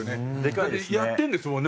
だってやってるんですもんね